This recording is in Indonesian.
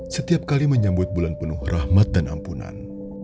setiap kali menyambut bulan penuh rahmat dan ampunan